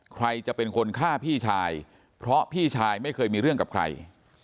ใครจะเป็นคนฆ่าพี่ชายเพราะพี่ชายไม่เคยมีเรื่องกับใคร